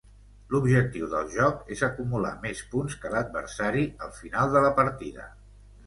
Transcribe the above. L'objectiu del joc és acumular més punts que l'adversari al final de la partida.